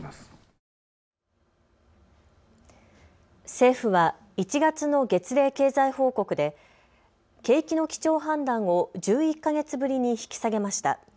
政府は１月の月例経済報告で景気の基調判断を１１か月ぶりに引き下げました。